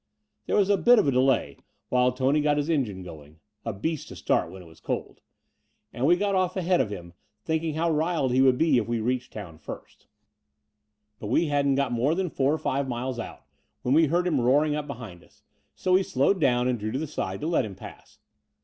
There was a bit of a delay while Tony got his The Brighton Road 25 engine going — a beast to start when it was cold; and we got ofif ahead of him, thinking how riled he would be if we reached town first. But we hadn't got more than fotir or five miles out, when we heard him roaring up behind us : so we slowed down and drew to the side to let him pass.